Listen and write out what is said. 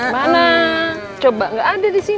mana coba nggak ada di sini